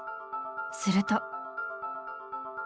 すると。